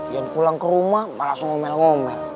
yan pulang ke rumah malah langsung ngomel ngomel